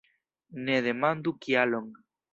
Ne demandu kialon!